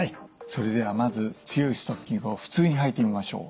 それではまず強いストッキングを普通に履いてみましょう。